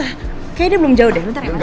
kayaknya dia belum jauh deh